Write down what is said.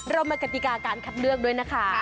เรามากติกาการคัดเลือกด้วยนะคะ